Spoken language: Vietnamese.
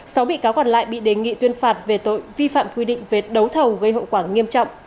sáu bị cáo còn lại bị đề nghị tuyên phạt về tội vi phạm quy định về đấu thầu gây hậu quả nghiêm trọng